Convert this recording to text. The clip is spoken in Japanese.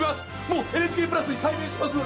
もうＮＨＫプラスに改名します！